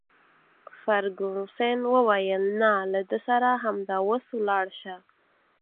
فرګوسن وویل: نه، له ده سره همدا اوس ولاړه شه.